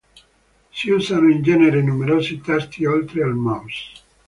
Si usano in genere numerosi tasti oltre al mouse.